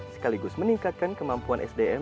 sekaligus meningkatkan kemampuan sdm